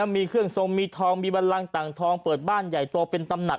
มีเครื่องทรงมีทองมีบันลังต่างทองเปิดบ้านใหญ่โตเป็นตำหนัก